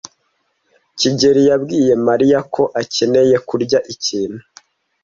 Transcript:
kigeli yabwiye Mariya ko akeneye kurya ikintu.